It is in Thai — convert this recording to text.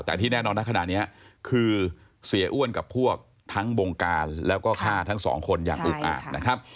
แต่ที่แน่นอนนะขณะนี้คือเสียอ้วนกับพวกทั้งบงการแล้วก็ฆ่าทั้งสองคนอย่างอุกอาจนะครับ